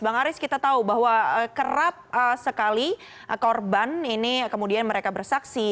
bang aris kita tahu bahwa kerap sekali korban ini kemudian mereka bersaksi